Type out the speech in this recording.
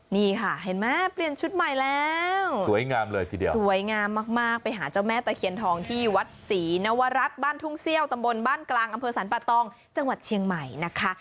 นี่ค่ะเห็นไหมเปลี่ยนชุดใหม่แล้วสวยงามเลยทีเดียวสวยงามมากไปหาเจ้าแม่ตะเคียนทองที่วัดศรีนวรัฐบ้านทุ่งเซี่ยวตำบลบ้านกลางอำเภอสรรปะตองจังหวัดเชียงใหม่นะคะ